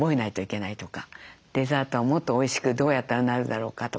デザートはもっとおいしくどうやったらなるだろうかとか。